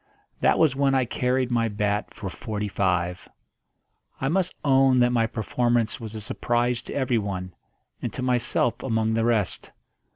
That was when I carried my bat for forty five. I must own that my performance was a surprise to everyone and to myself among the rest.